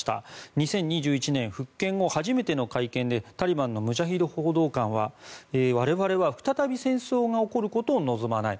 ２０２１年復権後初めての会見でタリバンのムジャヒド報道官は我々は再び戦争が起こることを望まない。